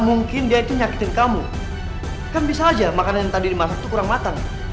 mungkin dia itu nyakitin kamu kan bisa aja makanan yang tadi dimasak itu kurang matang